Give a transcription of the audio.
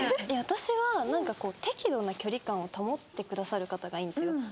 いや私はなんかこう適度な距離感を保ってくださる方がいいんですよ。